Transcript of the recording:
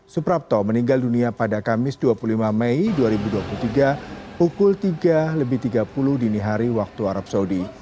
suprapto meninggal dunia pada kamis dua puluh lima mei dua ribu dua puluh tiga pukul tiga tiga puluh dini hari waktu arab saudi